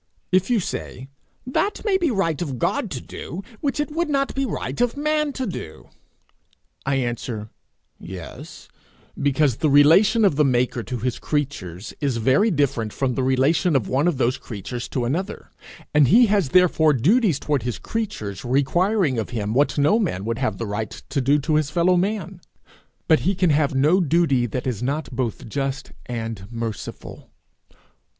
If you say, That may be right of God to do which it would not be right of man to do, I answer, Yes, because the relation of the maker to his creatures is very different from the relation of one of those creatures to another, and he has therefore duties toward his creatures requiring of him what no man would have the right to do to his fellow man; but he can have no duty that is not both just and merciful.